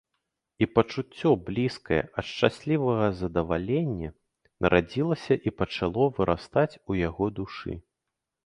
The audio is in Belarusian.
І пачуццё, блізкае ад шчаслівага задавалення, нарадзілася і пачало вырастаць у яго душы.